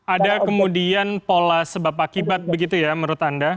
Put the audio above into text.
ada kemudian pola sebab akibat begitu ya menurut anda